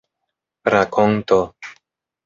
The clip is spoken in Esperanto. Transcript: rakonto